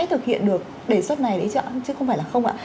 thực hiện được đề xuất này đấy chứ không phải là không ạ